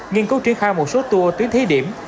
nghiên cứu triển khai một số tour tuyến thí điểm